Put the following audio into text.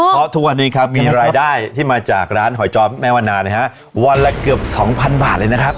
เพราะทุกวันนี้ครับมีรายได้ที่มาจากร้านหอยจอมแม่วันนานะฮะวันละเกือบ๒๐๐บาทเลยนะครับ